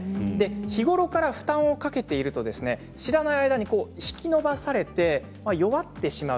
日頃から負担をかけていると知らないうちに引き伸ばされて弱ってしまう。